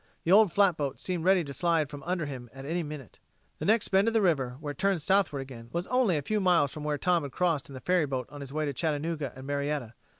The old flatboat seemed ready to slide from under him at any minute. The next bend of the river, where it turned southward again, was only a few miles from where Tom had crossed in the ferryboat on his way to Chattanooga and Marietta.